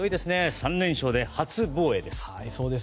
３連勝で初防衛です。